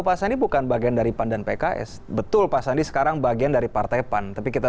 pak sandi bukan bagian dari pan dan pks betul pak sandi sekarang bagian dari partai pan tapi kita